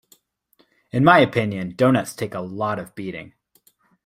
In my opinion, doughnuts take a lot of beating.